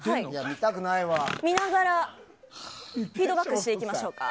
見ながらフィードバックしていきましょうか。